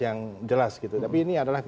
yang jelas gitu tapi ini adalah